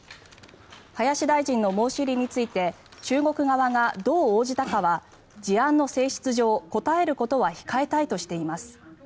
林大臣の申し入れについて中国側がどう応じたかは事案の性質上、答えることは控えたいとしています。